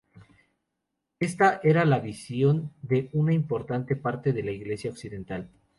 Esta era la visión de una importante parte de la Iglesia occidental.